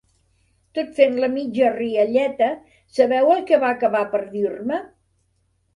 Tot fent la mitja rialleta, ¿sabeu el què va acabar per dir-me?